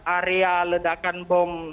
area ledakan bom